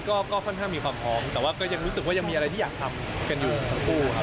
ก็ค่อนข้างมีความพร้อมแต่ว่าก็ยังรู้สึกว่ายังมีอะไรที่อยากทำกันอยู่ทั้งคู่ครับ